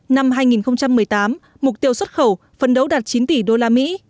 năm hai nghìn một mươi tám mục tiêu xuất khẩu phấn đấu đạt chín tỷ usd